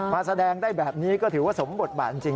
มาแสดงได้แบบนี้ก็ถือว่าสมบทบาทจริง